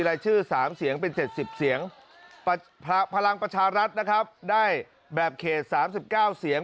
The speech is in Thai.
การเรือกตั้งทั้งความต้อง